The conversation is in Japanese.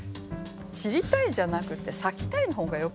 「散りたい」じゃなくて「咲きたい」の方がよくない？